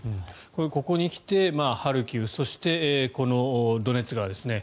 これはここに来てハルキウそしてドネツ川ですね